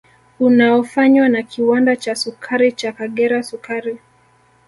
Unaofanywa na kiwanda cha sukari cha Kagera sukari